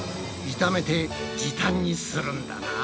炒めて時短にするんだな。